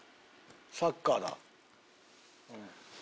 サッカーだ。